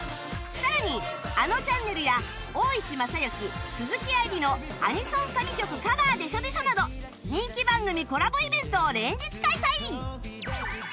さらに『あのちゃんねる』や『オーイシマサヨシ×鈴木愛理のアニソン神曲カバーでしょ ｄｅ ショー！！』など人気番組コラボイベントを連日開催！